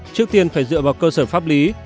trước tiên phải dựa vào cơ sở pháp lý